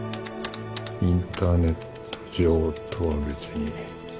インターネット上とは別に